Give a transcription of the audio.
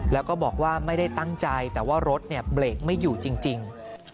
แล้วก็บอกว่าไม่ได้ตั้งใจแต่ว่ารถเบรกไม่อยู่จริง